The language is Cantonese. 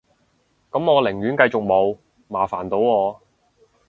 噉我寧願繼續冇，麻煩到我